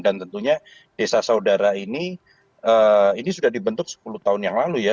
dan tentunya desa saudara ini ini sudah dibentuk sepuluh tahun yang lalu ya